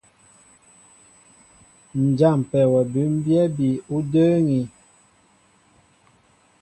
Ǹ jâmpɛ wɔ bʉ́mbyɛ́ bi ú də́ə́ŋí.